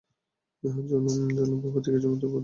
ইহার জন্য ভূপতি কিছুমাত্র প্রস্তুত ছিল না।